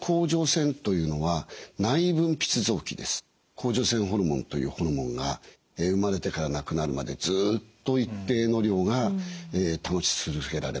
甲状腺ホルモンというホルモンが生まれてから亡くなるまでずっと一定の量が保ち続けられます。